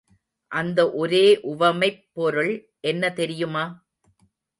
அந்த ஒரே உவமைப் பொருள் என்ன தெரியுமா?